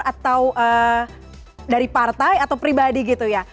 atau dari partai atau pribadi gitu ya